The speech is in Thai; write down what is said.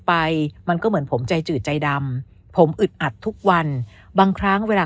ไปมันก็เหมือนผมใจจืดใจดำผมอึดอัดทุกวันบางครั้งเวลา